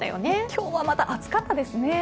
今日はまた暑かったですね。